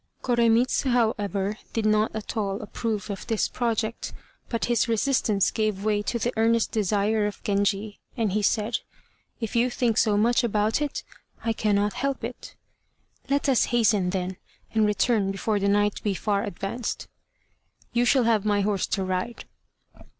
Koremitz, however, did not at all approve of this project; but his resistance gave way to the earnest desire of Genji, and he said, "If you think so much about it, I cannot help it." "Let us hasten, then, and return before the night be far advanced." "You shall have my horse to ride."